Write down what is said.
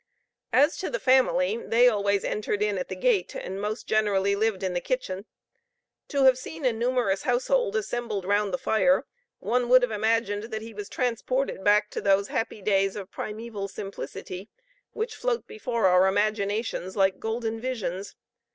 As to the family, they always entered in at the gate, and most generally lived in the kitchen. To have seen a numerous household assembled round the fire, one would have imagined that he was transported back to those happy days of primeval simplicity, which float before our imaginations like golden visions.